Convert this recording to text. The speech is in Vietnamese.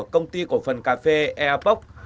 của công ty của phần cà phê eapok